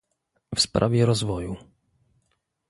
W sprawie rozwoju